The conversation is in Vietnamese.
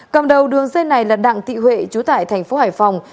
cầm đầu đường dây này là đặng tị huệ trú tại thành phố hải phòng